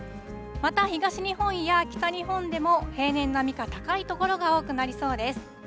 また東日本や北日本でも、平年並みか高い所が多くなりそうです。